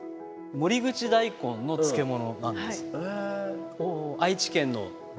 守口大根の漬物なんです。